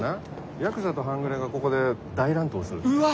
ヤクザと半グレがここで大乱闘する。